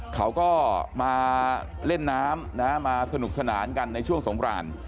เขาก็มาเล่นน้ำมาสนุกสนานกันในช่วงสงคราน